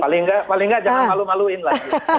paling nggak jangan malu maluin lagi